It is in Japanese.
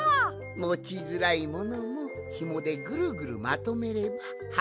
もちづらいものもヒモでぐるぐるまとめればはこびやすいぞい。